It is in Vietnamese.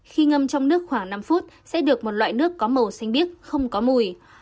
khi ngâm trong nước khoảng năm phút sẽ được một loại nước có màu xanh biếc không có mùi